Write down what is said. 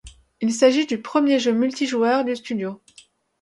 Il s'agit du premier jeu multijoueur du studio.